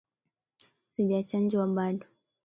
Sijachanjwa bado